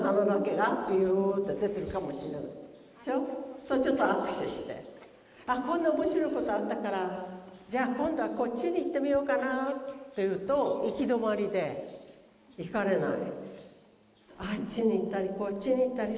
例えばあっちに行ってみると例えばあっこんな面白いことあったから「じゃあ今度はこっちに行ってみようかな」っていうと行き止まりで行かれない。